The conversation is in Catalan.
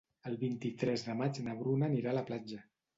El vint-i-tres de maig na Bruna anirà a la platja.